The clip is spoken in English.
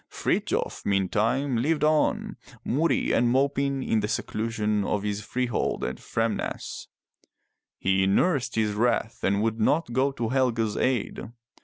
Frithjof, meantime, lived on, moody and moping in the seclusion of his freehold at Framnas. He nursed his wrath and would not go to Helge's aid.